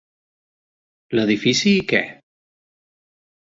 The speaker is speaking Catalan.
L'edifici i què?